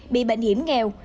bị bệnh hiểm nghèo